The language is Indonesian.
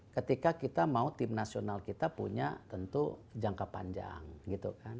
ketika kita mau tim nasional kita punya tentu jangka panjang gitu kan